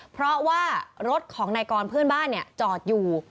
เพราะว่ารถของนายกรเพื่อนบ้านจอดอยู่